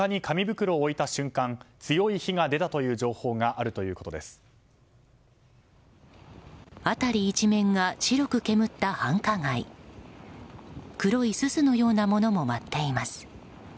黒いすすのようなものも舞っています。